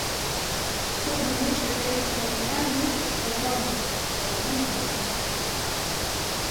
Позна ўвечары трэцяга дня месяц стаяў над паплаўным туманам.